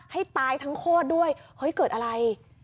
ให้ตายทั้งโคตรด้วยเฮ้ยเกิดอะไร